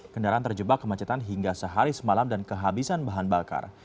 kendaraan terjebak kemacetan hingga sehari semalam dan kehabisan bahan bakar